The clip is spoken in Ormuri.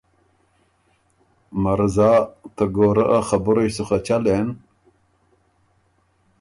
”مرزا ته ګورۀ ا خبُرئ سُو خه چلېن۔